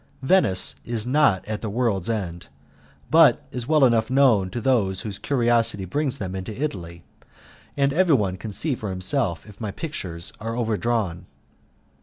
Venice is not at the world's end, but is well enough known to those whose curiosity brings them into Italy; and everyone can see for himself if my pictures are overdrawn.